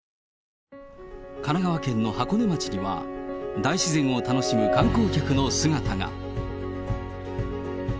神奈川県の箱根町には、大自然を楽しむ観光客の姿が。